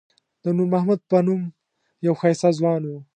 د نور محمد په نوم یو ښایسته ځوان و.